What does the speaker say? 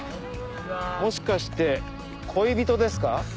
もしかして恋人ですか？